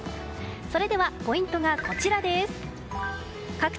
それでは、ポイントがこちらです。